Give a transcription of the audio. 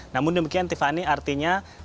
namun demikian tiffany artinya